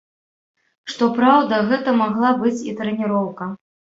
Што праўда, гэта магла быць і трэніроўка.